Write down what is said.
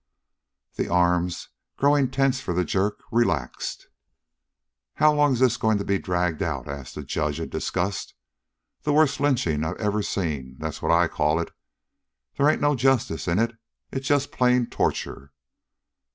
The arms, growing tense for the jerk, relaxed. "How long is this going to be dragged out?" asked the judge in disgust. "The worst lynching I ever see, that's what I call it! They ain't no justice in it it's just plain torture."